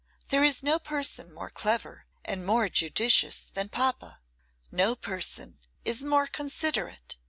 There is no person more clever and more judicious than papa. No person is more considerate.